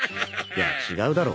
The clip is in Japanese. いや違うだろ。